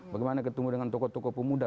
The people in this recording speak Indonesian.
bagaimana ketemu dengan tokoh tokoh pemuda